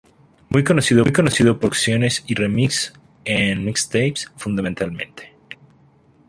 Muy conocido por sus producciones y remix en mixtapes, fundamentalmente.